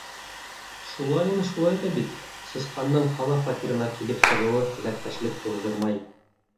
Шулайын шулай ҙа бит, сысҡандың ҡала фатирына килеп сығыуы теләктәшлек тыуҙырмай.